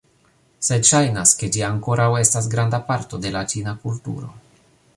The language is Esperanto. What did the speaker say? Sed ŝajnas, ke ĝi ankoraŭ estas granda parto de la ĉina kulturo